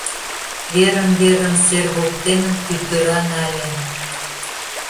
Верын-верын сер воктене тӱтыра нале.